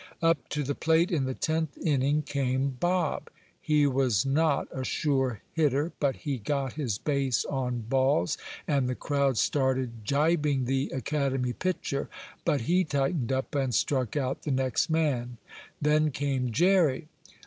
Up to the plate in the tenth inning came Bob. He was not a sure hitter, but he got his base on balls, and the crowd started gibing the academy pitcher. But he tightened up and struck out the next man. Then came Jerry.